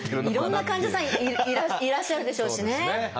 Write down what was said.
いろんな患者さんいらっしゃるでしょうしね。